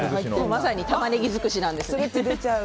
まさにタマネギ尽くしなんですよね。